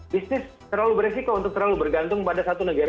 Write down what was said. bisnis terlalu beresiko untuk terlalu bergantung pada satu negara